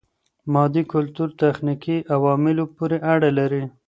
مادي کلتور تخنیکي عواملو پوري اړه لري.